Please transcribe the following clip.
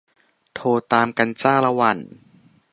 โทร.ตามกันจ้าละหวั่น